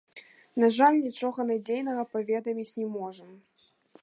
На жаль, нічога надзейнага паведаміць не можам.